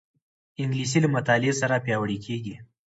انګلیسي له مطالعې سره پیاوړې کېږي